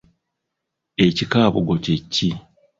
Ekikaabugo kye ki?